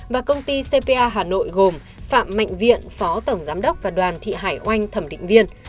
và công ty cpa hà nội gồm phạm mạnh viện phó tổng giám đốc và đoàn thị hải oanh thẩm định viên